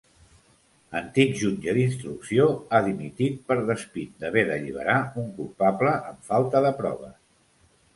Antic jutge d'instrucció, ha dimitit per despit d'haver d'alliberar un culpable amb falta de proves.